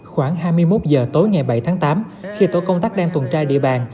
khoảng hai mươi một h tối ngày bảy tháng tám khi tổ công tác đang tuần tra địa bàn